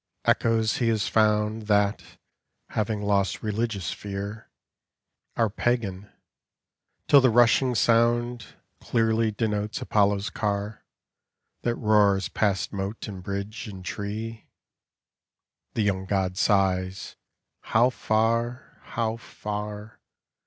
Echoes he has found That, having lost religious fear, Are pagan ; till the rushing sound Clearly denotes Apollo's car, it roars past moat and bridge and tree, The Young God sighs. How far, how tar.